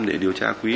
để điều tra quý